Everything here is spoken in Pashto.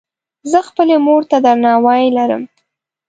زۀ خپلې مور ته درناوی لرم.